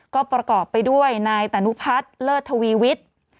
ก็ประกอบไปด้วยนายตนุพัฒน์เลิศทวีวิทย์